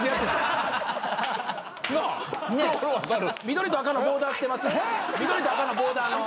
緑と赤のボーダーの。